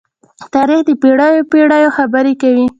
تاریخ د پېړيو پېړۍ خبرې کوي.